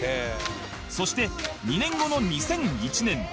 そして２年後の２００１年